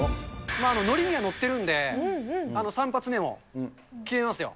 乗りには乗ってるんで、３発目も決めますよ。